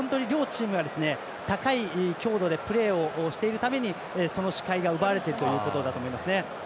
それだけ、本当に両チームが高い強度でプレーしているためにその視界が奪われているということだと思いますね。